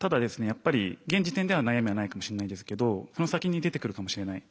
やっぱり現時点では悩みはないかもしれないんですけどその先に出てくるかもしれない。